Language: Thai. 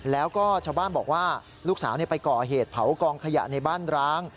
แล้วก็ชาวบ้านบอกว่าลูกสาวไปก่อเหตุเผากองขยะในบ้านร้าง